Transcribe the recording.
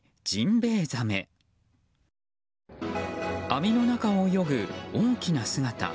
網の中を泳ぐ大きな姿。